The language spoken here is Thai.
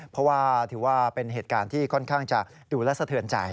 เพราะว่าถือว่าเป็นเหตุการณ์ที่ค่อนข้างจะดูและสะเทือนใจ